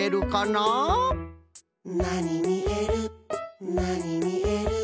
「なにみえるなにみえる」